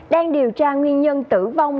đang điều tra nguyên nhân tử vong